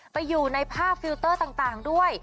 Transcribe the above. ไปอยู่ในภาพฟิลเตอร์ต่างด้วย